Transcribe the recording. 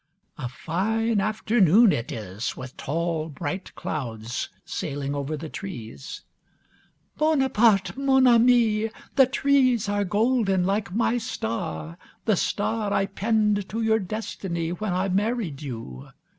A fine afternoon it is, with tall bright clouds sailing over the trees. "Bonaparte, mon ami, the trees are golden like my star, the star I pinned to your destiny when I married you.